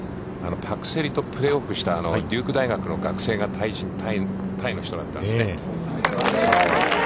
朴セリとプレーオフした、デューク大学の学生がタイの人だったんですね。